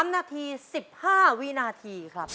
๓นาที๑๕วินาทีครับ